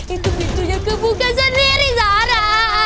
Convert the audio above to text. itu pintunya kebuka sendiri zara